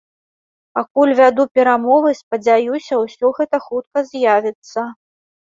Пакуль вяду перамовы, спадзяюся ўсё гэта хутка з'явіцца.